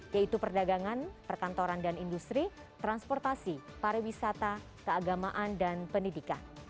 yaitu perdagangan perkantoran dan industri transportasi pariwisata keagamaan dan pendidikan